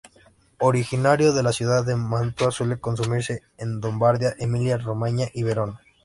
Originario de la ciudad de Mantua, suele consumirse en Lombardía, Emilia-Romaña y Verona.